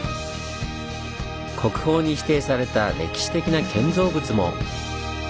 国宝に指定された歴史的な建造物も！